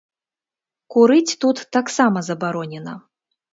Курыць тут таксама забаронена.